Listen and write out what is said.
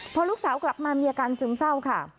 พอลูกสาวกลับมามีอาการซึมเศร้าค่ะ